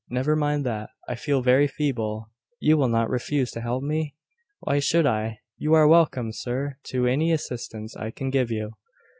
Never mind that. I feel very feeble. You will not refuse to help me?" "Why should I? You are welcome, sir, to any assistance I can give you."